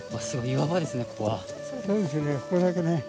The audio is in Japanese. ここだけね。